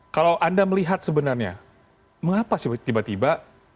kalau anda melihat sebenarnya mengapa sih tiba tiba